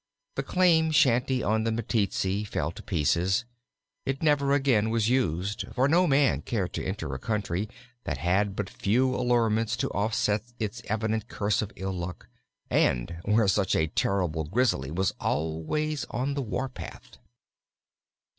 The claim shanty on the Meteetsee fell to pieces. It never again was used, for no man cared to enter a country that had but few allurements to offset its evident curse of ill luck, and where such a terrible Grizzly was always on the war path.